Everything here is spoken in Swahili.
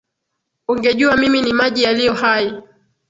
Ungejua mimi ni maji yaliyo hai.